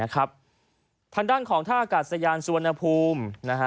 ทางด้านของท่าอากาศยานสุวรรณภูมิ